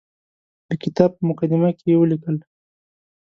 د کتاب په مقدمه کې یې ولیکل.